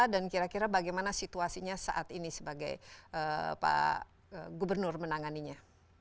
dan kira kira bagaimana situasinya saat ini sebagai pak gubernur menanganinya